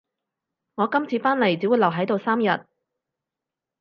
我今次返嚟只會留喺度三日